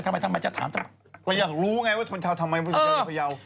การอยากรู้ไงว่าคนชาวทำไมพยาว